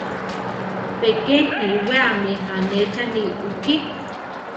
Pe ke iwéami anéchani ukí.